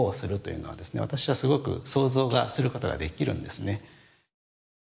私はすごく想像することができるんですね。